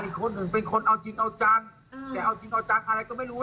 แต่เอาจริงเอาจังอะไรก็ไม่รู้แล้ว